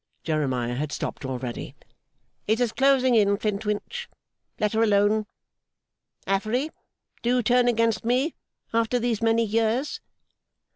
Jeremiah had stopped already. 'It is closing in, Flintwinch. Let her alone. Affery, do you turn against me after these many years?